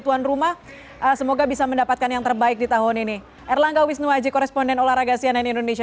tuan rumah semoga bisa mendapatkan yang lainnya